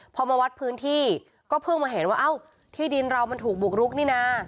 พอมาวัดพื้นที่ก็เพิ่งมาเห็นว่าเอ้าที่ดินเรามันถูกบุกรุกนี่นะ